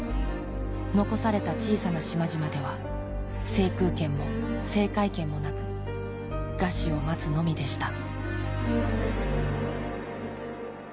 残された小さな島々では制空権も制海権もなく餓死を待つのみでした。